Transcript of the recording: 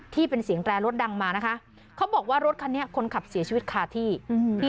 ที่เป็นเสียงแตรรถดังมานะคะเขาบอกว่ารถคันนี้คนขับเสียชีวิตคาที่อืมที่